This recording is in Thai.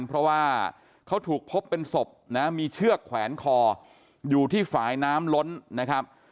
เพราะว่าเขาถูกพบเป็นศพนะมีเชือกแขวนคออยู่ที่ฝ่ายน้ำล้นนะครับ